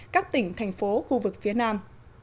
các tỉnh thành phố khu vực phía nam